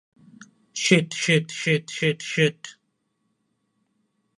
Sheet, shit, shit, shit, sheet.